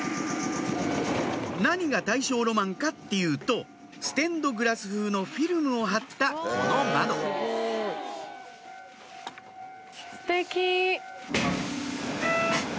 何が大正ロマンかっていうとステンドグラス風のフィルムを貼ったこの窓ステキ。